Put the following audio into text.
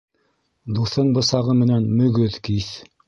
Дуҫың бысағы менән мөгөҙ киҫ